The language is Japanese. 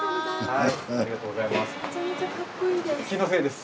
ありがとうございます。